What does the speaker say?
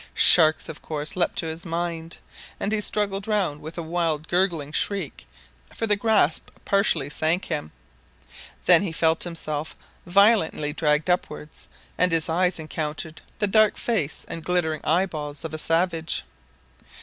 Sharks, of course, leaped to his mind, and he struggled round with a wild gurgling shriek, for the grasp partially sank him. Then he felt himself violently dragged upwards, and his eyes encountered the dark face and glittering eye balls of a savage.